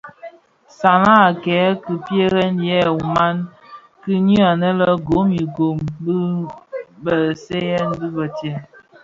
Sanan a kèn ki pierè yè ùman kinin anë le Ngom gum gum bi bësèè bëtsem.